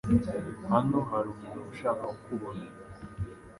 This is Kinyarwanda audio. Hano hari umugabo ushaka kukubona.